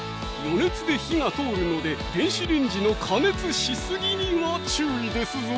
余熱で火が通るので電子レンジの加熱しすぎには注意ですぞ！